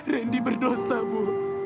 randy berdosa bu